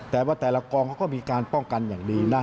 แต่ว่าแต่ละกองเขาก็มีการป้องกันอย่างดีนะ